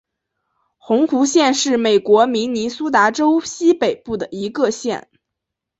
红湖县是美国明尼苏达州西北部的一个县。